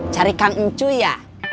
cari kang uncuy ya